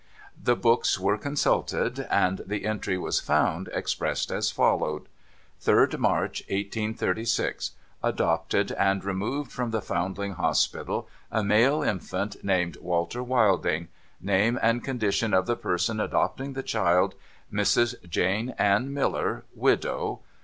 The books were consulted, and the entry was found expressed as follows :— '3d March, 1836. Adopted, and removed from the Foundling Hospital, a male infant, named Walter Wilding. Name and con dition of the person adopting the child^ — Mrs. Jane Ann Miller, widow.